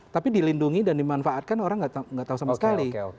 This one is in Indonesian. tapi dilindungi dan dimanfaatkan orang nggak tahu sama sekali